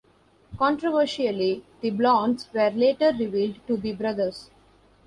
Controversially, the Blondes were later revealed to be brothers.